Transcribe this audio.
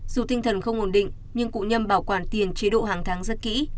dù tinh thần không ổn định nhưng cụ nhâm bảo quản tiền chế độ hàng tháng rất kỹ